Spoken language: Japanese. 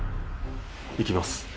行きます。